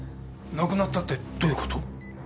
亡くなったってどういうこと？